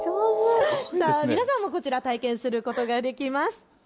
皆さんもこちら、体験することができます。